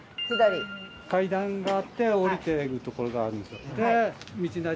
階段があって下りていく所があるんですよ。